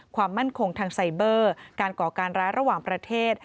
ความมั่นคงทางไซเบอร์การก่อการร้ายระหว่างประเทศ